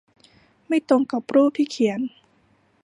ไม่ตรงกับรูปที่เขียน